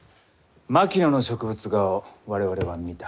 槙野の植物画を我々は見た。